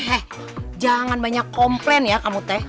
hei jangan banyak komplain ya kamu teh